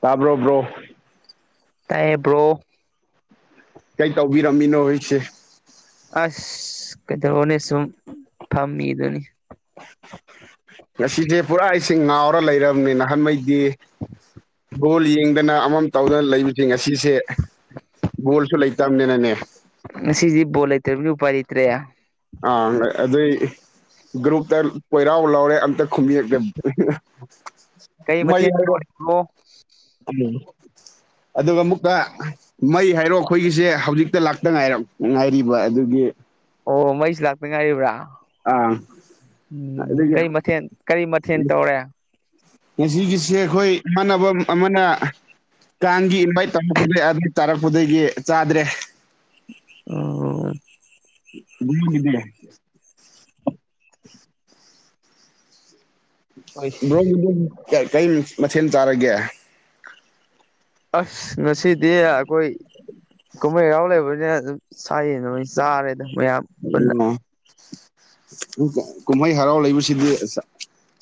ꯇꯥꯕ꯭ꯔꯣ ꯕ꯭ꯔꯣ ꯇꯥꯏꯌ‌ꯦ ꯕ꯭ꯔꯣ ꯀꯩ ꯇꯧꯕꯤꯔꯝꯃꯤꯅꯣ ꯑ‌ꯣꯏꯁꯦ [unintelligible] ꯑꯁ ꯀꯩꯗꯧꯔꯨꯅꯤ ꯁꯨꯝ ꯐꯝꯃꯤꯗꯨꯅꯤ ꯉꯁꯤꯁꯦ ꯄꯨꯔꯥ ꯑꯩꯁ‌ꯦ ꯉꯥꯎꯔ ꯂꯩꯔꯕꯅꯤ ꯅꯍꯥꯟꯃꯩꯗꯤ ꯕ‌ꯣꯜ ꯌꯦꯡꯗꯅ ꯑꯃꯝ ꯇꯧꯗꯅ ꯂꯩꯕꯅ‌ꯦ ꯉꯁꯤꯁꯦ ꯕꯣꯜꯁꯨ ꯂꯩꯇꯅꯤꯅꯅꯦ ꯉꯗꯤ ꯕꯣꯜ ꯂꯩꯇ꯭ꯔꯕꯒꯤ ꯎꯄꯥꯏ ꯂꯩꯇ꯭ꯔꯦ ꯑꯥ ꯑꯗꯨꯏ ꯒ꯭ꯔꯨꯞꯇ ꯀꯣꯏꯔꯥꯎ ꯂꯥꯎꯔꯦ ꯑꯝꯇ ꯈꯨꯌꯦꯛꯇ [inaudible] ꯀꯩ [unintelligible] ꯑꯗꯨꯒ ꯃꯨꯀ ꯃꯩ ꯍꯥꯏꯔꯣ ꯑꯩꯈꯣꯏꯒꯤꯁꯦ ꯍꯧꯖꯤꯛꯇ ꯂꯥꯛꯇ ꯉꯥꯏꯔ ꯉꯥꯏꯔꯤꯕ ꯑꯗꯨꯒꯤ ꯑꯣ ꯃꯩꯁꯨ ꯂꯥꯛꯇ ꯉꯥꯏꯔꯤꯕ꯭ꯔꯥ ꯑꯥ ꯎꯝ ꯑꯗꯨꯒꯤ ꯀꯔꯤ ꯃꯊꯦꯜ ꯀꯔꯤ ꯃꯊꯦꯜ ꯇꯧꯔꯦ ꯉꯁꯤꯒꯤꯁꯦ ꯑꯩꯈꯣꯏ ꯏꯃꯥꯟꯅꯕ ꯑꯃꯅ ꯀꯥꯡꯒꯤ ꯏꯟꯚꯥꯏꯠ ꯇꯧꯔꯛꯄꯗ [inaudible] ꯑꯗꯨ ꯆꯥꯔꯛꯄꯗꯒꯤ ꯆꯥꯗ꯭ꯔꯦ ꯑꯣ [inaudible] ꯑꯁ ꯅ‌ꯣꯏꯒꯤ ꯌꯨꯝ ꯀꯩ ꯃꯊꯦꯜ ꯆꯥꯔꯒꯦ ꯑꯁ ꯉꯁꯤꯗꯤ ꯑꯩꯈꯣꯏ ꯀꯨꯝꯍꯩꯒꯥꯎ ꯂꯩꯕꯅꯤꯅ ꯑꯗꯨ ꯁꯌꯦꯟꯅꯣꯏ ꯆꯥꯔꯦꯗ ꯃꯌꯥꯝ ꯄꯨꯟꯅ ꯎ ꯀꯨꯝꯍꯩ ꯍꯔꯥꯎ ꯂꯩꯕꯁꯤꯗꯤ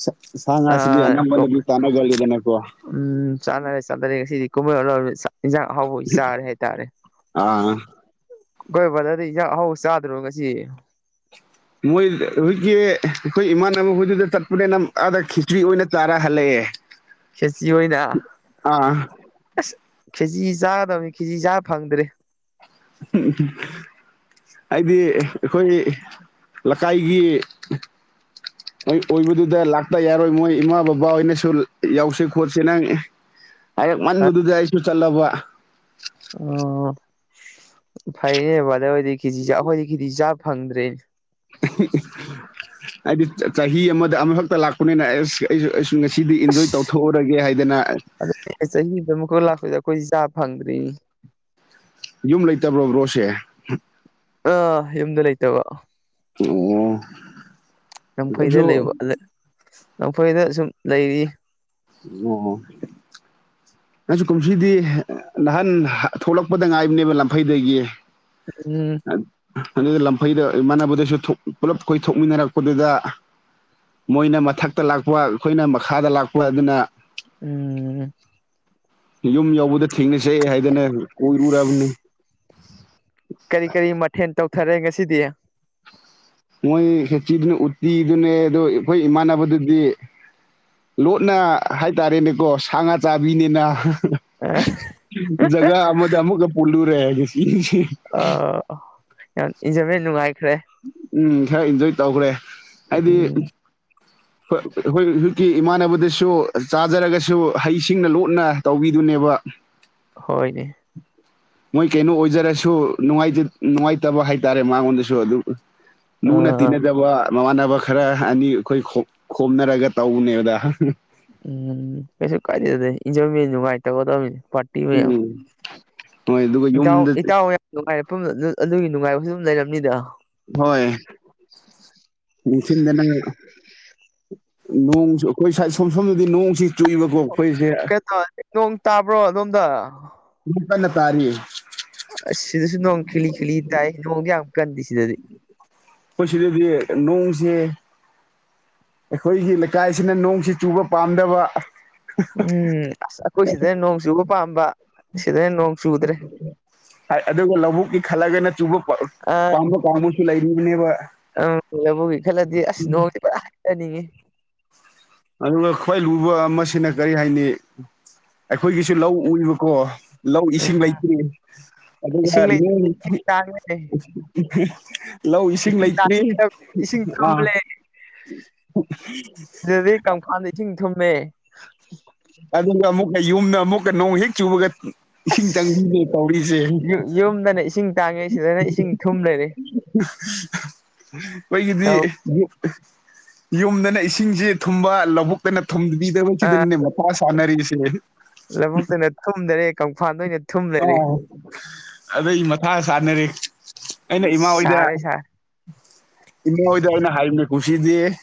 ꯁ ꯁꯥꯉ ꯍꯥꯁꯤꯗꯤ ꯑꯥ ꯑꯅꯝꯕꯥꯅ ꯇꯅꯒꯗꯅꯀꯣ ꯎꯝ ꯆꯥꯟꯦ ꯆꯔꯦ ꯁꯤꯗꯤ [unintelligible] ꯑꯦꯟꯁꯪ ꯑꯍꯥꯑꯣꯕꯥ ꯍꯥꯏ ꯆꯥꯔꯦ ꯇꯥꯔꯦ ꯑꯥ [unintelligible] ꯕꯗꯗꯤ ꯍꯧꯎ ꯆꯥꯗ꯭ꯔꯣ ꯉꯁꯤ ꯃꯣꯏ ꯍꯧꯖꯤꯛꯀꯤ ꯑꯩꯈꯣꯏ ꯏꯃꯥꯟꯅꯕ ꯍꯣꯏꯗꯨꯗ ꯆꯠꯄꯅꯤꯅ ꯑꯥꯗ ꯈꯤꯇ꯭ꯔꯤ ꯑꯣꯏꯅ ꯇꯥꯔ ꯍꯜꯂꯛꯑꯦ ꯈꯦꯆꯤ ꯑꯣꯏꯅ ꯑꯥ ꯑꯁ ꯈꯦꯆ ꯆꯥꯒꯗꯕꯅꯤ ꯈꯦꯖꯤ ꯆꯥꯕ ꯐꯪꯗ꯭ꯔꯦ [unintelligible] ꯍꯥꯏꯗꯤ ꯑꯩꯈꯣꯏ ꯂꯩꯀꯥꯏꯒꯤ ꯃꯣꯏ ꯑꯣꯏꯕꯗꯨꯗ ꯂꯥꯛꯇ ꯌꯥꯔꯣꯏ ꯃꯣꯏ ꯏꯃꯥ ꯕꯕꯥ ꯍꯣꯏꯅꯁꯨ ꯌꯥꯎꯁꯤ ꯈꯣꯠꯁꯤ ꯅꯪ ꯍꯦꯛ ꯃꯟꯕꯗꯨ ꯑꯩꯁꯨ ꯆꯠꯂꯕ ꯑꯣ ꯐꯩꯌꯦ ꯕꯗꯗꯤ ꯀꯦꯖꯤ ꯑꯩꯈꯣꯏꯗꯤ ꯀꯦꯖꯤ ꯆꯥ ꯐꯪꯗ꯭ꯔꯦ ꯍꯥꯏꯗꯤ ꯆꯍꯤ ꯑꯃꯗ ꯑꯃꯈꯛꯇ ꯂꯥꯛꯄꯅꯤꯅ ꯑꯦꯁ ꯑꯩꯁꯨ ꯑꯩꯁꯨ ꯉꯁꯤꯗꯤ ꯏꯟꯖꯣꯏ ꯇꯧꯊꯣꯛꯎꯔꯒꯦ ꯍꯥꯏꯗꯅ ꯑꯦ ꯆꯍꯤꯗ ꯑꯃꯨꯛ ꯂꯥꯛꯄ ꯑꯩꯈꯣꯏꯁꯤ ꯆꯥ ꯐꯪꯗ꯭ꯔꯤ ꯌꯨꯝ ꯂꯩꯇꯕ꯭ꯔꯣꯕ꯭ꯔꯣꯁꯦ ꯑꯥ ꯌꯨꯝꯗ ꯂꯩꯇꯕ ꯑꯣ ꯂꯝꯝꯐꯩꯗ ꯑꯩꯁꯨ ꯂꯩꯕ ꯂꯝꯝꯐꯩꯗ ꯁꯨꯝ ꯂꯩꯔꯤ ꯑꯣ ꯉꯪꯁꯨ ꯀꯨꯝꯁꯤꯗꯤ ꯅꯍꯥꯟ ꯊꯣꯛꯂꯛꯄꯗ ꯉꯥꯏꯕꯅꯦꯕ ꯂꯝꯐꯩꯗꯒꯤ ꯎꯝ ꯑꯗꯨ ꯂꯝꯐꯩꯗ ꯏꯃꯥꯟꯅꯕꯗꯁꯨ ꯄꯨꯂꯞ ꯑꯩꯈꯣꯏ ꯊꯣꯛꯃꯤꯟꯅꯔꯛꯄꯗꯨꯗ ꯃꯣꯏꯅ ꯃꯊꯛꯇ ꯂꯥꯛꯄ ꯑꯩꯈꯣꯏꯅ ꯃꯈꯥꯗ ꯂꯥꯛꯄ ꯑꯗꯨꯅ ꯎꯝ ꯎꯝ ꯌꯨꯝ ꯌꯧꯕꯗ ꯊꯦꯡꯅꯁꯦ ꯍꯥꯏꯗꯅ ꯀꯣꯏꯔꯨꯔꯕꯅꯤ ꯀꯔꯤ ꯀꯔꯤ ꯃꯊꯦꯜ ꯇꯧꯊꯔꯦ ꯉꯁꯤꯗꯤ ꯃꯣꯏ ꯁꯦꯆꯤꯗꯨꯅ ꯎꯠꯇꯤꯗꯨꯅꯦ ꯑꯗꯨꯗꯣ ꯑꯩꯈꯣꯏ ꯏꯃꯥꯟꯅꯕꯗꯨꯗꯤ ꯂꯣꯠꯅ ꯍꯥꯏꯇꯥꯔꯦꯅꯦꯀꯣ ꯁꯥ ꯉꯥ ꯆꯥꯕꯤꯅꯤꯅ [unintelligible] ꯖꯒꯥ ꯑꯃꯗ ꯑꯃꯒ ꯄꯣꯜꯂꯨꯔꯦ [unintelligible] ꯑ ꯌꯥꯝ ꯏꯖꯕ ꯅꯨꯡꯉꯥꯏꯈ꯭ꯔꯦ ꯎꯝ ꯈꯔ ꯏꯟꯖꯣꯏ ꯇꯧꯈ꯭ꯔꯦ ꯍꯥꯏꯗꯤ ꯎꯝ ꯍꯈꯣꯏ ꯍꯧꯖꯤꯛꯀꯤ ꯏꯃꯥꯟꯅꯕꯗꯁꯨ ꯆꯥꯖꯔꯒꯁꯨ ꯍꯩꯁꯤꯡꯅ ꯂꯣꯠꯅ ꯇꯧꯕꯤꯗꯨꯅꯦꯕ [inaudible] ꯍꯣꯏꯅꯦ ꯃꯣꯏ ꯀꯩꯅꯣ ꯑꯣꯏꯖꯔꯁꯨ ꯅꯨꯡꯉꯥꯏꯇꯕ ꯍꯥꯏꯇꯥꯔꯦ ꯃꯉꯣꯟꯗꯁꯨ ꯑꯗꯨ ꯂꯨꯅ ꯎꯝ ꯇꯤꯟꯅꯖꯕ ꯃꯃꯥꯟꯅꯕ ꯈꯔ ꯑꯅꯤ ꯑꯩꯈꯣꯏ ꯈꯣꯝꯅꯔꯒ ꯇꯧꯕꯅꯦꯕꯗ ꯎꯝ ꯀꯩꯁꯨ ꯀꯥꯏꯗꯦꯗꯗ ꯏꯟꯖꯣꯏ ꯃꯤ ꯅꯨꯡꯉꯥꯏꯇꯒꯗꯕꯅꯤ ꯄꯥꯔꯇꯤ ꯃꯌꯥꯝ ꯎꯝ ꯍꯣꯏ ꯑꯗꯨꯒ ꯏꯇꯥꯎ ꯌꯨꯝꯗ ꯏꯇꯥꯎ ꯌꯥꯝ ꯅꯨꯡꯉꯥꯏꯔ ꯑꯗꯨꯒꯤ ꯅꯨꯡꯉꯥꯏꯕꯁꯨ ꯑꯗꯨꯝ ꯂꯩꯔꯝꯅꯤꯗ ꯍꯣꯏ [unintelligible] ꯅꯣꯡꯁꯨ ꯑꯩꯈꯣꯏ ꯁ ꯁꯣꯝ ꯁꯣꯝꯗꯗꯤ ꯅꯣꯡꯁꯤ ꯆꯨꯏꯕꯀꯣ ꯑꯩꯈꯣꯏꯁꯦ ꯀꯩ ꯇꯧ ꯅꯣꯡ ꯇꯥꯕ꯭ꯔꯣ ꯑꯗꯣꯝꯗ [unintelligible] ꯇꯥꯔꯤ ꯑꯁ ꯁꯤꯗꯁꯨ ꯅꯣꯡ ꯈꯤꯂꯤ ꯈꯤꯂꯤ ꯇꯥꯏ ꯅꯣꯡꯗꯤ ꯌꯥꯝ ꯀꯟꯗꯦ ꯁꯤꯗꯗꯤ ꯑꯩꯈꯣꯏ ꯁꯤꯗꯗꯤ ꯅꯣꯡꯁꯦ ꯑꯩꯈꯣꯏꯒꯤ ꯂꯩꯀꯥꯏꯁꯤꯅ ꯅꯣꯡꯁꯤ ꯆꯨꯕ ꯄꯥꯝꯗꯕ ꯎꯝ ꯑꯁ ꯑꯩꯈꯣꯏ ꯁꯤꯗꯅ ꯅꯣꯡ ꯆꯨꯕ ꯄꯥꯝꯕ ꯁꯤꯗꯅ ꯅꯣꯡ ꯆꯨꯗ꯭ꯔꯦ ꯑꯗꯨꯒ ꯂꯧꯕꯨꯛꯀꯤ ꯈꯜꯂꯒꯅ ꯆꯨꯕ ꯄꯥꯝꯕ ꯀꯥꯡꯕꯨꯁꯨ ꯂꯩꯔꯤꯕꯅꯦꯕ ꯑꯪ ꯂꯕꯨꯒꯤ ꯈꯜꯂꯗꯤ ꯑꯁ ꯅꯣꯡꯒꯤ ꯄꯨꯔꯥ ꯍꯥꯏꯖꯅꯤꯡꯉꯤ ꯑꯗꯨꯒ ꯈ꯭ꯋꯥꯏ ꯂꯨꯕ ꯑꯃꯁꯤꯅ ꯀꯔꯤ ꯍꯥꯏꯅꯤ ꯑꯩꯈꯣꯏꯒꯤꯁꯨ ꯂꯧ ꯎꯏꯕꯀꯣ ꯂꯧ ꯎꯝ ꯏꯁꯤꯡ ꯂꯩꯇ꯭ꯔꯤ ꯑꯗꯨꯒ ꯏꯁꯤꯡ ꯂꯩꯇꯕꯒꯤ ꯅꯣꯡ ꯏꯁꯤꯡ ꯇꯥꯡꯉꯦ ꯂꯧ ꯏꯁꯤꯡ ꯂꯩꯇ꯭ꯔꯤ ꯏꯁꯤꯡ ꯊꯨꯝ ꯑꯥ ꯂꯩ ꯗꯤ ꯀꯝ ꯈꯥꯟꯗ ꯁꯤꯡ ꯊꯨꯝꯃꯦ ꯑꯗꯨꯒ ꯑꯃꯨꯛꯀ ꯌꯨꯝꯗ ꯑꯃꯨꯛꯀ ꯅꯣꯡ ꯍꯦꯛ ꯆꯨꯕꯒ ꯏꯁꯤꯡ ꯆꯪꯕꯤꯗꯦ ꯇꯧꯔꯤꯁꯦ ꯅꯦ ꯏꯁꯤꯡ ꯇꯥꯡꯉꯤꯁꯤꯗꯅ ꯏꯁꯤꯡ ꯊꯨꯝ ꯂꯩꯔꯦ ꯑꯩꯈꯣꯏꯒꯤꯗꯤ ꯇꯧ ꯌꯨꯝꯗꯅ ꯏꯁꯤꯡꯁꯤ ꯊꯨꯝꯕ ꯂꯧꯕꯨꯛ ꯀꯅ ꯊꯝꯕꯤꯗ ꯑ ꯁꯤꯗꯅꯦ ꯃꯊꯥ ꯁꯥꯟꯅꯔꯤꯁꯦ ꯂꯧꯕꯨꯛꯇꯅ ꯊꯨꯝꯗꯔꯦ ꯀꯪꯐꯥꯟꯗ ꯑꯣꯏꯅ ꯊꯨꯝꯂꯦ ꯑ ꯑꯗꯨꯗꯩ ꯃꯊꯥ ꯁꯥꯟꯅꯔꯦ ꯏꯃꯥ ꯍꯣꯏꯗ ꯁꯥꯔꯦ ꯁꯥꯔꯦ ꯏꯃꯥ ꯍꯣꯏꯗ ꯑꯩꯅ ꯍꯥꯏꯕꯅꯦ ꯀꯁꯤꯗꯤ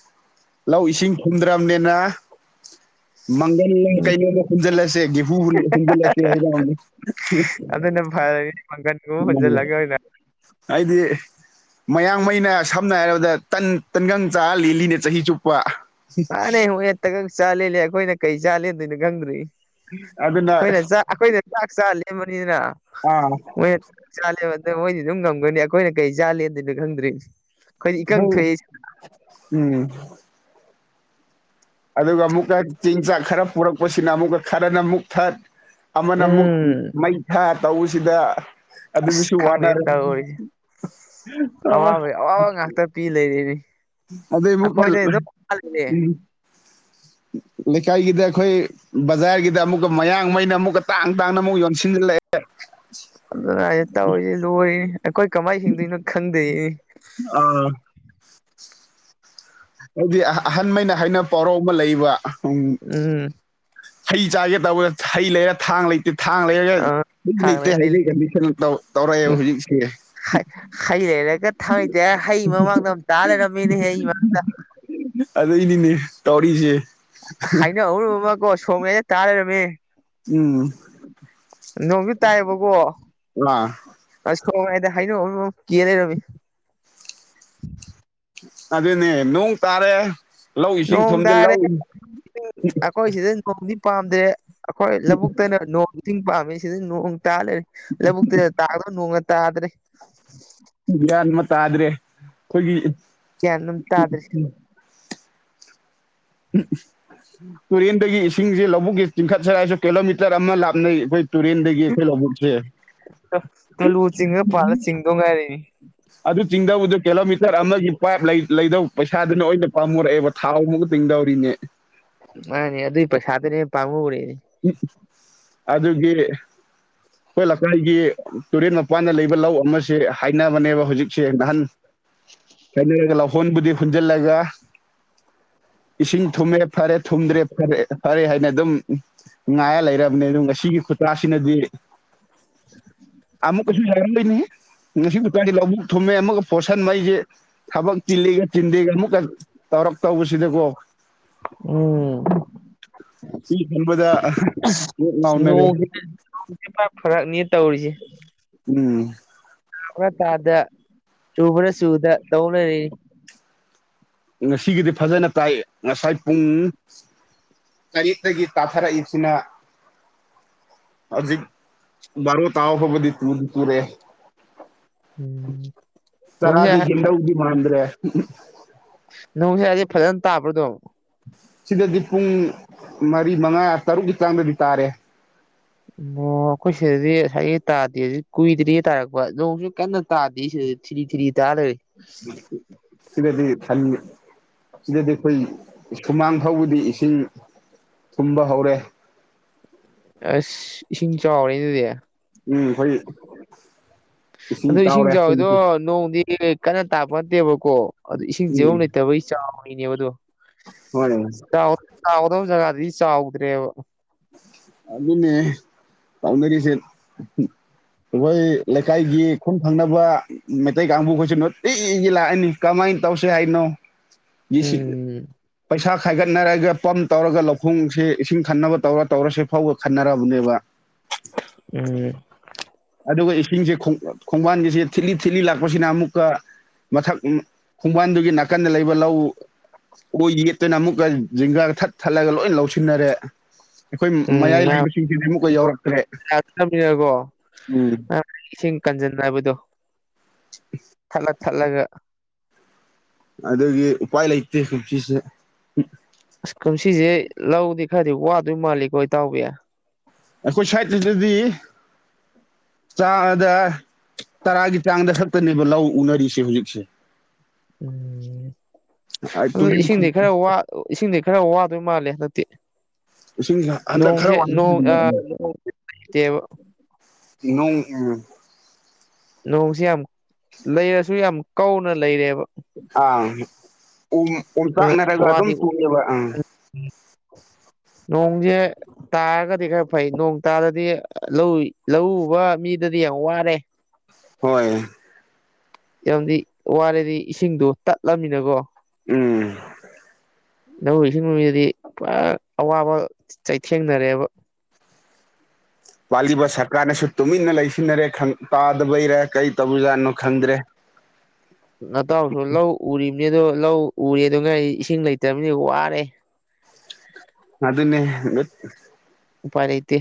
ꯂꯧ ꯏꯁꯤꯡ ꯊꯨꯝꯗ꯭ꯔꯕꯅꯤꯅ ꯃꯪꯒꯜ ꯎꯝ ꯀꯩꯣꯕ ꯍꯨꯟꯖꯤꯜꯂꯁꯦ ꯒꯍꯨ ꯍꯨꯟꯖꯤꯜꯂꯁꯦ [unintelligible] ꯄꯪꯥꯟꯕꯨ ꯍꯣꯖꯦꯜ ꯂꯒꯦ ꯍꯥꯏꯗꯤ ꯃꯌꯥꯡꯃꯩꯅ ꯁꯝꯅ ꯍꯥꯏꯔꯕꯗꯟ ꯇꯟꯒꯪ ꯆꯥ ꯂꯤꯜꯂꯤꯅꯦ ꯆꯍꯤ ꯆꯨꯞꯄ ꯃꯥꯥꯟꯅꯦ ꯍꯨ ꯍꯦꯠꯇꯒꯛ ꯆꯥꯂꯂꯦ ꯑꯩꯈꯣꯏꯅ ꯀꯩ ꯆꯥꯂꯦꯗꯣꯏꯣ ꯈꯪꯗ꯭ꯔꯤ ꯑꯗꯨꯅ ꯑꯩꯈꯣꯏꯅ ꯆꯥꯛ ꯑꯩꯈꯣꯏꯅ ꯆꯥꯛ ꯆꯥ ꯂꯦꯝꯕꯅꯤꯗꯅ ꯑꯥ ꯃꯣꯏꯅ ꯆꯥꯂꯦꯕ ꯑꯗ ꯃꯣꯏꯗꯤ ꯑꯗꯨꯝ ꯉꯝꯒꯅꯤ ꯑꯩꯈꯣꯏꯅ ꯀꯩ ꯆꯥꯂꯦꯅ ꯑꯗꯨꯅꯣ ꯈꯪꯗ꯭ꯔꯤ ꯑꯩꯈꯣꯏꯗꯤ ꯏꯀꯪ ꯍꯣꯏ ꯊꯣꯛꯏ ꯎꯝ ꯑꯗꯨꯒ ꯑꯃꯨꯛꯀ ꯆꯦꯡ ꯆꯥꯛ ꯈꯔ ꯄꯨꯔꯛꯄꯁꯤꯅ ꯑꯃꯨꯛꯀ ꯈꯔꯅ ꯃꯨꯛ ꯊꯠ ꯑꯃꯅ ꯑꯃꯨꯛ ꯎꯝ ꯃꯩ ꯊꯥ ꯇꯧꯁꯤꯗ ꯑꯁ ꯑꯗꯨꯅꯁꯨ ꯈꯪꯗꯦ ꯋꯥꯅꯔꯦ ꯇꯧꯔꯤꯁꯦ ꯑ ꯇ ꯄꯤ ꯂꯩꯔꯦ ꯑꯗꯨꯗꯩ ꯑꯃꯨꯛꯀ ꯂꯩꯀꯥꯏꯒꯤꯗ ꯑꯩꯈꯣꯏ ꯕꯖꯥꯔꯒꯤꯗ ꯑꯃꯨꯛꯀ ꯃꯌꯥꯡꯃꯩꯅ ꯑꯃꯨꯛꯀ ꯇꯥꯡ ꯇꯥꯡꯅ ꯑꯃꯨꯛ ꯌꯣꯟꯁꯤꯟꯖꯜꯂꯛꯑꯦ ꯑꯗꯨꯅ ꯍꯥꯏꯁꯦ ꯇꯧꯔꯤꯁꯦ ꯂꯣꯏꯔ‌ꯦ ꯑꯩꯈꯣꯏ ꯀꯃꯥꯏꯅ ꯍꯤꯡꯗꯣꯏꯅꯣ ꯈꯪꯗ‌ꯦ ꯑꯥ ꯍꯥꯏꯗꯤ ꯑ ꯑꯍꯟꯃꯩꯅ ꯍꯥꯏꯅꯕ ꯄꯥꯎꯔꯥꯎ ꯑꯃ ꯂꯩꯕ ꯎꯝ ꯎꯝ ꯍꯩ ꯆꯥꯒꯦ ꯇꯧꯋꯦ ꯍꯩ ꯂꯩꯔ ꯊꯥꯡ ꯂꯩ ꯊꯥꯡ ꯂꯩꯔꯒ ꯑ ꯂꯩꯇꯦ ꯈꯥꯡꯂꯦ ꯍꯥꯏꯕꯒꯤ ꯀꯟꯗꯤꯁꯟ ꯇꯧ ꯇꯧꯔꯛꯑꯦꯕ ꯎꯝ ꯍꯧꯖꯤꯛꯁꯦ ꯍꯩ ꯍꯩ ꯂꯩꯔꯒ ꯊꯥꯡ ꯂꯩꯇꯦ ꯍꯥꯏꯔ ꯍꯩ ꯃꯃꯥꯡꯗ ꯑꯝ ꯇꯥ ꯂꯩꯔꯝꯃꯤꯅꯦꯍꯦ ꯑꯩ ꯃꯃꯥꯡꯗ ꯑꯗꯨꯏꯅꯤꯅꯦ ꯇꯧꯔꯤꯁꯦ ꯍꯥꯏꯅꯧ ꯑꯃꯨꯟꯕ ꯑꯃꯀꯣ ꯁ꯭ꯔ‌ꯣꯛ ꯃꯌꯥꯏꯗ ꯇꯥ ꯂꯩꯔꯝꯃꯦ ꯎꯝ ꯅꯣꯡꯁꯨ ꯇꯥꯏꯑꯕꯀꯣ ꯑꯥ ꯑꯁ ꯈꯣꯡꯉꯗ ꯍꯥꯏꯩꯅ ꯀꯦ ꯂꯩꯔꯝꯃꯤ ꯑꯗꯨꯅꯦ ꯅꯣꯡ ꯇꯥꯔꯦ ꯂꯧ ꯏꯁꯤꯡ ꯅꯣꯡ ꯊꯨꯝꯗ ꯇꯥꯔꯦ ꯂꯧ ꯑꯩꯈꯣꯏ ꯁꯤꯗ ꯅꯣꯡꯗꯤ ꯄꯥꯝꯗ꯭ꯔꯦ ꯑꯩꯈꯣꯏ ꯂꯧꯕꯨꯛꯇꯅ ꯅꯣꯡ ꯆꯤꯡ ꯄꯥꯝꯃꯦ ꯁꯤꯗ ꯅꯣꯡ ꯇꯥ ꯂꯩ ꯇꯥ ꯅꯣꯡ ꯇꯥꯗ꯭ꯔꯔꯤ ꯒ꯭ꯌꯥꯟ ꯑꯃ ꯇꯥꯗ꯭ꯔꯦ ꯑꯩꯈꯣꯏꯒꯤ ꯒꯌ꯭ꯥꯟꯑꯝ ꯇꯗ꯭ꯔꯤ ꯎꯝ ꯇꯨꯔꯦꯟꯗꯒꯤ ꯏꯁꯤꯡꯁꯤ ꯂꯧꯕꯨꯛꯒꯤ ꯆꯤꯡꯈꯠꯁꯔ ꯍꯥꯏꯁꯨ ꯀꯤꯂꯣꯃꯤꯇꯔ ꯑꯃ ꯂꯥꯞꯅꯩ ꯑꯩꯈꯣꯏ ꯇꯨꯔꯦꯟꯗꯒꯤ ꯇꯨꯂꯨ ꯆꯤꯡꯉ ꯄꯥꯜꯂ ꯆꯤꯡꯗꯧ ꯉꯥꯏꯔꯤꯅꯤ [unintelligible] ꯑꯗꯨ ꯆꯤꯡꯗꯧꯕꯗꯨ ꯀꯤꯂꯣꯃꯤꯇꯔ ꯑꯃꯒꯤ ꯄꯥꯏꯞ ꯂꯩ ꯂꯩꯗꯧ ꯄꯩꯁꯥꯗꯨꯅ ꯑꯣꯏꯅ ꯄꯥꯝꯃꯨꯔꯛꯑꯦꯕ ꯊꯥꯎ ꯑꯃꯨꯒ ꯇꯤꯡꯗꯧꯔꯤꯅꯦ ꯃꯥꯅꯦ ꯑꯗꯨꯏ ꯄꯩꯁꯥꯗꯨꯅ ꯄꯥꯝꯃꯨꯔ‌ꯦ ꯑꯗꯨꯒꯤ ꯑꯩꯈꯣꯏ ꯂꯩꯀꯥꯏꯒꯤ ꯇꯨꯔꯦꯟ ꯃꯄꯥꯟꯗ ꯂꯩꯕ ꯂꯧ ꯑꯃꯁꯦ ꯍꯥꯏꯅꯕꯅꯦꯕ ꯍꯧꯖꯤꯛꯁꯦ ꯅꯍꯥꯟ ꯀꯩꯅꯒ ꯂꯧꯍꯣꯟꯕꯨꯗꯤ ꯍꯨꯟꯖꯜꯂꯒ ꯏꯁꯤꯡ ꯊꯨꯝꯃꯦ ꯐꯔꯦ ꯊꯨꯝꯗ꯭ꯔꯦ ꯐꯔꯦ ꯐꯔꯦ ꯍꯥꯏꯅ ꯑꯗꯨꯝ ꯅꯨꯡꯉꯥꯏꯔ ꯂꯩꯔꯕꯅꯦ ꯑꯗꯨ ꯉꯁꯤꯒꯤ ꯈꯨꯇꯥꯁꯤꯅꯗꯤ ꯑꯃꯨꯛꯀꯁꯨ [unintelligible] ꯗꯨꯏꯅ‌ꯦꯍ‌ꯦ ꯉꯁꯤ ꯎꯄꯗꯤ ꯂꯧꯕꯨꯛ ꯊꯨꯝꯃꯦ ꯑꯃꯒ ꯄꯣꯠꯁꯟꯕꯩꯁꯦ ꯊꯕꯛ ꯆꯤꯜꯂꯤꯒ ꯆꯤꯟꯗꯦꯒ ꯑꯃꯨꯛꯀ ꯇꯧꯔꯛꯇꯧꯕꯁꯤꯗꯀꯣ ꯎꯝ ꯎꯕꯗ ꯀ‌ꯣꯛ ꯉꯥꯎꯅꯔ‌ꯦ ꯄꯥ ꯐꯔꯛꯅ‌ꯦ ꯇꯧꯔꯤꯁꯦ ꯎꯝ꯫ ꯇꯥꯕ꯭ꯔꯥ ꯇꯥꯗ ꯆꯨꯕ꯭ꯔ ꯆꯨꯗ ꯇꯧ ꯂꯩꯔ‌ꯦ ꯉꯁꯤꯒꯤꯗꯤ ꯐꯖꯅ ꯇꯥꯏ ꯉꯁꯥꯏ ꯄꯨꯡ ꯇꯔꯦꯠꯇꯒꯤ ꯇꯥꯊꯔꯛꯏꯕꯁꯤꯅ꯫ ꯍꯧꯖꯤꯛ ꯕꯥꯔꯣ ꯇꯥꯕ ꯐꯥꯎꯕꯗꯤ ꯇꯨꯗꯤ ꯇꯨꯨꯔꯦ ꯎꯝ ꯆꯥꯔꯥꯗꯤ ꯅꯣꯡꯁꯥ ꯍꯦꯟꯗꯧꯗꯤ ꯃꯥꯟꯗ꯭ꯔꯦ ‌ꯅ‌ꯣꯡꯁꯦ ꯑꯗꯤ ꯐꯖꯅ ꯇꯥꯕ꯭ꯔꯥ ꯗꯨꯝ ꯁꯤꯗꯗꯤ ꯄꯨꯡ ꯃꯔꯤ ꯃꯉꯥ ꯇꯔꯨꯛꯀꯤ ꯆꯥꯡꯗꯗꯤ ꯇꯥꯔꯦ ꯑꯣ ꯑꯩꯈꯣꯏ ꯁꯤꯗꯗꯤ ꯉꯁꯥꯏꯒꯩ ꯇꯥꯗꯦ ꯀꯨꯏꯗ꯭ꯔꯤꯌ‌ꯦ ꯇꯥꯔꯛꯄ ꯅꯣꯡꯁꯨ ꯀꯟꯅ ꯇꯥꯗ‌ꯦ ꯁꯤꯗꯗꯤ ꯊꯤꯔꯤ ꯊꯤꯔꯤ ꯇꯥ ꯂꯩꯔ‌ꯦ ꯁꯤꯗꯗꯤ [inaudible] ꯁꯤꯗꯗꯤ ꯑꯩꯈꯣꯏ ꯁꯨꯃꯥꯡ ꯐꯥꯎꯕꯗꯤ ꯏꯁꯤꯡ ꯊꯨꯝꯕ ꯍꯧꯔꯦ ꯑꯁ ꯏꯁꯤꯡ ꯆꯥꯎꯔꯦꯅ ꯑꯗꯨꯗꯤ ꯎꯝ ꯈ‌ꯣꯏꯒꯤ ꯑꯗꯨ ꯏꯁꯤꯡ ꯆꯥꯎꯋꯤꯗꯣ ꯅꯣꯡꯗꯤ ꯀꯟꯅ ꯇꯥꯔꯛꯄ ꯅꯠꯇꯦꯕꯀꯣ ꯑꯗꯨ ꯏꯁꯤꯡ ꯆꯦꯟꯕꯝ ꯎꯝ ꯂꯩꯇꯕꯒꯤ ꯆꯥꯎ [unintelligible] [unintelligible] ꯆꯥꯎꯒꯗ‌ꯣꯕ ꯖꯒꯥꯗꯗꯤ ꯆꯥꯎꯗ꯭ꯔꯦꯕ꯫ ꯑꯗꯨꯅꯦ ꯇꯥꯎꯅꯔꯤꯁꯦꯠ ꯒꯣꯏ ꯂꯩꯀꯥꯏꯒꯤ ꯈꯨꯟ ꯊꯪꯅꯕ ꯃꯩꯇꯩ ꯀꯥꯡꯕꯨꯈꯣꯢꯁꯨ ꯅꯨꯇꯤꯒꯤ ꯂꯥꯛꯑꯅꯤ ꯀꯃꯥꯏꯟ ꯇꯧꯁꯦ ꯍꯥꯏꯅꯣ꯫ ꯗꯤꯁꯤ ꯎꯝ ꯄꯩꯁꯥ ꯈꯥꯏꯒꯠꯅꯔꯒ ꯄꯝ ꯇꯧꯔꯒ ꯂꯧꯈꯣꯡꯁꯦ ꯏꯁꯤꯡ ꯈꯟꯅꯕ ꯇꯧꯔ ꯇꯧꯔꯁꯤ ꯐꯥꯎꯕ ꯈꯟꯅꯔꯕꯅꯦꯕ꯫ ꯎꯝ꯫ ꯑꯗꯨꯒ ꯏꯁꯤꯡꯁꯦ ꯈꯣꯡ ꯈꯣꯡꯕꯥꯟꯒꯤꯁꯦ ꯊꯤꯠꯂꯤ ꯊꯤꯠꯂꯤ ꯂꯥꯛꯄꯁꯤꯅ ꯑꯃꯨꯛꯀ ꯃꯊꯛ ꯎꯝ ꯈꯣꯡꯕꯥꯟꯗꯨꯒꯤ ꯅꯥꯀꯟꯗ ꯂꯩꯕ ꯂꯧ ꯑꯣꯏ ꯌꯦꯠꯇꯅ ꯑꯃꯨꯛꯀ ꯖꯤꯡꯒꯥ ꯊꯠ ꯊꯠꯂꯒ ꯂꯣꯏ ꯂꯧꯁꯤꯟꯅꯔꯦ꯫ ꯑꯩꯈꯣꯏ ꯎꯝ ꯃꯌꯥꯏ ꯃꯌꯥꯝ ꯂꯩꯕꯁꯤꯡꯁꯤꯗꯤ ꯑꯃꯨꯛꯀ ꯌꯧꯎꯔꯛꯇ꯭ꯔꯦ꯫ [unintelligible] ꯎꯝ꯫ ꯑ ꯏꯁꯤꯡ ꯀꯟꯖꯟꯅꯕꯗꯣ [unintelligible] ꯊꯠꯂ ꯊꯠꯂꯒ ꯑꯗꯨꯒꯤ ꯎꯄꯥꯏ ꯂꯩꯇꯦ ꯀꯨꯝꯁꯤꯁꯦ ꯑꯁ ꯀꯨꯝꯁꯤꯁꯦ ꯂꯧꯗꯤ ꯈꯔꯗꯤ ꯋꯥꯗꯣꯏ ꯃꯥꯜꯂꯤꯀ‌ꯣ ꯏꯇꯥꯎꯕꯤ꯫ ꯑꯩꯈꯣꯏ ꯁ꯭ꯋꯥꯏꯇꯗꯗꯤ ꯆꯥꯗ ꯇꯔꯥꯒꯤ ꯆꯥꯡꯗ ꯈꯛꯇꯅꯦꯕ ꯂꯧ ꯎꯅꯔꯤꯁꯦ ꯍꯧꯖꯤꯛꯁꯦ꯫ ꯎꯝ ꯑꯗꯨ ꯏꯁꯤꯡꯗꯤ ꯈꯔ ꯋꯥ ꯏꯁꯤꯡꯗꯤ ꯈꯔ ꯋꯥꯗꯣꯏ ꯃꯥꯜꯂꯦ ꯍꯟꯗꯛꯇꯤ꯫ ꯏꯁꯤꯡꯁꯦ ꯍꯟꯗꯛ ꯈꯔ ꯅꯣꯡꯁꯦ ꯋꯥ [unintelligible] ꯅꯣꯡ ꯑꯥ ꯅꯣꯡ ꯂꯩꯇꯦꯕ ꯅꯣꯡ ꯑꯨꯡ ꯅꯣꯡꯁꯤ ꯌꯥꯝ ꯂꯩꯔꯁꯨ ꯌꯥꯝ ꯀꯧꯅ ꯂꯩꯔꯦꯕ ꯑꯥ ꯎꯝ ꯑꯣꯝꯆꯥꯛꯅꯔꯒ ꯑꯗꯨꯝ ꯆꯣꯡꯉꯦꯕ ꯑꯥ ꯅꯣꯡꯖꯦ꯫ ꯇꯥꯔꯒꯗꯤ ꯈꯔ ꯐꯩ ꯅꯣꯡ ꯇꯥꯗꯗꯤ ꯂꯧ ꯂꯧꯎ ꯎꯕ ꯃꯤꯗꯗꯤ ꯌꯥꯝ ꯋꯥꯔꯦ꯫ ꯍꯣꯏ꯫ ꯌꯥꯝꯗꯤ ꯋꯥꯔꯦꯗꯤ ꯏꯁꯤꯡꯗꯣ ꯇꯠꯂꯝꯅꯤꯅꯀꯣ꯫ ꯎꯝ꯫ ꯂꯧꯎ ꯏꯁꯤꯡ ꯅꯨ ꯃꯤ ꯗꯗꯤ ꯄꯨꯔꯥ ꯑꯋꯥꯕ ꯆꯩꯊꯦꯡꯅꯔꯦꯕ ꯄꯥꯜꯂꯤꯕ ꯁꯔꯀꯥꯔꯅꯁꯨ ꯇꯨꯃꯤꯟꯅ ꯂꯩꯁꯤꯟꯅꯔꯦ ꯈꯪ ꯇꯥꯗꯕꯩꯔ ꯀꯔꯤ ꯇꯧꯕꯖꯥꯠꯅꯣ ꯈꯪꯗ꯭ꯔꯦ꯫ [inaudible] ꯅꯇꯥꯎꯁꯨ ꯂꯧ ꯎꯔꯤꯕꯅꯤ ꯑꯗꯣ ꯂꯧ ꯎꯔꯦ ꯑꯗꯨ ꯉ ꯑꯩ ꯏꯁꯤꯡ ꯂꯩꯇ꯭ꯔꯕꯅꯤ ꯋꯥꯔꯦ ꯑꯗꯨ ꯑꯗꯨꯟꯅꯅꯦ ꯎꯄꯥꯏ ꯂꯩꯇꯦ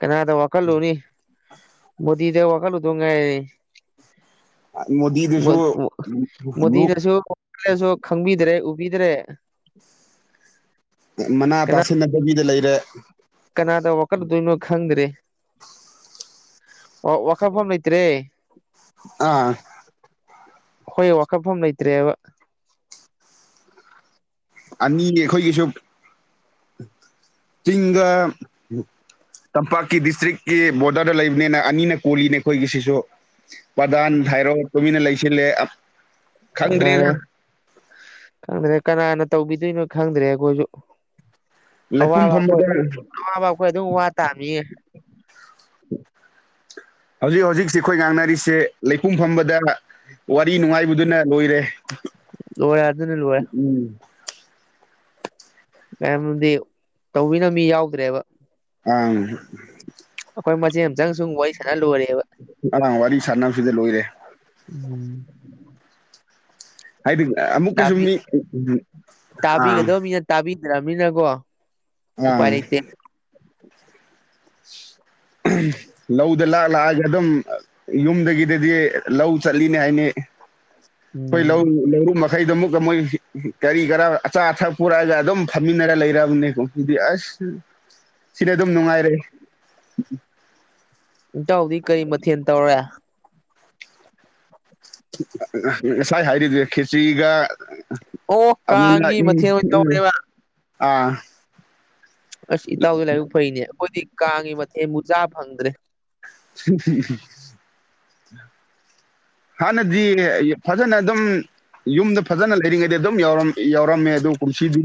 ꯀꯅꯥꯗ ꯋꯥꯈꯜꯂꯣꯅꯤ ꯃꯗꯤꯗꯦ ꯋꯥ ꯀꯜꯂꯨ ꯊꯣꯡꯒꯥꯏ ꯃꯣꯗꯤꯗꯨꯁꯨ ꯃꯣꯗꯤꯅꯁꯨꯣꯡꯦꯅꯁꯨ ꯈꯪꯕꯤꯗ꯭ꯔꯦ ꯎꯕꯤꯗ꯭ꯔꯦ ꯃꯅꯥ ꯀꯅꯥ ꯇꯥꯁꯤꯟꯅꯕꯕꯤꯗ ꯂꯩꯔꯦ꯫ ꯀꯅꯥꯗ ꯋꯥꯀꯠꯂꯨꯗꯣꯏꯅꯣ ꯈꯪꯗ꯭ꯔꯦ꯫ ꯑꯣ ꯋꯥꯈꯠꯐꯝ ꯂꯩꯇ꯭ꯔꯦ ꯑꯥ ꯍꯣꯏ ꯋꯥꯀꯠꯐꯝ ꯂꯩꯇ꯭ꯔꯦꯕ꯫ ꯑꯅꯤꯅꯦ ꯑꯩꯈꯣꯏꯒꯤꯁꯨ ꯆꯤꯡꯒ ꯇꯝꯄꯥꯛꯀꯤ ꯗꯤꯁꯇ꯭ꯔꯤꯛꯀꯤ ꯕꯣꯔꯗꯔꯗ ꯂꯩꯕꯅꯦꯅ ꯑꯅꯤꯅ ꯀꯣꯜꯂꯤꯅꯦ ꯑꯩꯈꯣꯏꯒꯤ ꯁꯤꯁꯨ꯫ ꯄꯗꯥꯟ ꯊ ꯍꯥꯏꯔꯣ ꯇꯨꯃꯤꯟꯅ ꯂꯩꯁꯤꯜꯂꯦ ꯈꯪꯗ꯭ꯔꯦꯗ ꯐꯖꯔꯦ ꯈꯪꯗ꯭ꯔꯦ ꯀꯅꯥꯅ ꯇꯧꯕꯤꯗꯣꯏꯅꯣ ꯈꯪꯗ꯭ꯔꯦ ꯑꯩꯈꯣꯏꯁꯨ ꯂꯩꯄꯨꯡ ꯑꯋꯥꯕ ꯑꯩꯈꯣꯏ ꯐꯝꯕꯗ ꯑꯗꯨꯝ ꯑꯋꯥꯕ ꯑꯩꯈꯣꯏ ꯑꯗꯨꯝ ꯋꯥ ꯇꯥꯃꯤꯌꯦ [inaudible] ꯍꯧꯖꯤꯛ ꯍꯧꯖꯤꯛꯁꯤ ꯑꯩꯈꯣꯏ ꯉꯥꯡꯅꯔꯤꯁꯦ ꯂꯩꯄꯨꯡ ꯐꯝꯕꯗ ꯋꯥꯔꯤ ꯅꯨꯡꯉꯥꯏꯕꯗꯨꯅ ꯂꯣꯏꯔꯦ ꯂꯋꯦ ꯑꯗꯨꯅ ꯂꯣꯋꯦ ꯎꯝ ꯃꯌꯥꯝꯗꯤ ꯇꯧꯕꯤꯅ ꯃꯤ ꯌꯥꯎꯗ꯭ꯔꯦꯕ ꯑꯪ ꯑꯩꯈꯣꯏ ꯃꯆꯦ ꯑꯃꯝ ꯆꯪ ꯁꯨꯝ ꯋꯥꯔꯤ ꯁꯅ ꯂꯣꯏꯔꯦꯕ ꯑꯂꯥꯡ ꯋꯥꯔꯤ ꯁꯥꯟꯅ ꯁꯤꯗ ꯂꯣꯏꯔꯦ ꯎꯝ ꯍꯥꯏꯗꯤ ꯑꯃꯨꯛ ꯀꯩꯁꯨ ꯇꯥꯕꯤ ꯃꯤ ꯑꯥ ꯇꯥꯕꯤꯗ꯭ꯔꯅꯤꯅꯀꯣ ꯑꯥ ꯂꯧꯗ ꯂꯥꯛ ꯂꯥꯛꯑꯒ ꯑꯗꯨꯝ ꯌꯨꯝꯗꯒꯤꯗꯗꯤ ꯂꯧ ꯆꯠꯂꯤꯅꯤ ꯍꯥꯏꯅꯤ ꯣꯏ ꯎꯝ ꯂꯧꯧ ꯂꯧꯧꯔꯨ ꯃꯁ ꯃꯈꯩꯗꯣ ꯑꯃꯨꯛꯀ ꯃꯣꯏ ꯀꯔꯤ ꯀꯔ ꯑꯆꯥ ꯑꯊꯛ ꯄꯨꯔꯛꯑꯒ ꯑꯗꯨꯝ ꯐꯝꯃꯤꯟꯅꯔ ꯂꯩꯔꯕꯅꯦꯀꯣ ꯑꯗꯨꯗꯤ ꯑꯁ ꯁꯤꯅ ꯑꯗꯨꯝ ꯅꯨꯡꯉꯥꯏꯔꯦ ꯏꯇꯊꯧꯗꯤ ꯀꯔꯤ ꯃꯊꯦꯜ ꯇꯧꯔꯦ ꯉꯁꯥꯏ ꯍꯥꯏꯔꯤꯗꯤ ꯈꯦꯆ꯭ꯒ ꯑꯣ ꯎꯝ ꯀꯥꯡꯒꯤ ꯃꯊꯦꯜ ꯑꯣꯏꯅ ꯎꯝ ꯇꯧꯔꯦꯕ ꯑ ꯑꯁ ꯏꯇꯥꯎꯗꯤ ꯂꯥꯏꯕꯛ ꯐꯩꯅꯦ ꯑꯩꯈꯣꯏꯗꯤ ꯀꯥꯡꯉꯤ ꯃꯊꯦꯟꯕꯨ ꯆꯥꯕ ꯐꯪꯗ꯭ꯔꯦ [inaudible] ꯍꯥꯟꯅꯗꯤ ꯐꯖꯅ ꯑꯗꯨꯝ ꯌꯨꯝꯗ ꯐꯖꯅ ꯂꯩꯔꯤꯉꯩꯗꯤ ꯑꯗꯨꯝꯔꯝ ꯌꯥꯎꯔꯝꯃꯦ ꯑꯗꯨ ꯀꯨꯝꯁꯤꯗꯤ